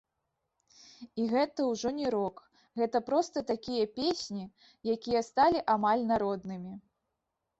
І гэта ўжо не рок, гэта проста такія песні, якія сталі амаль народнымі.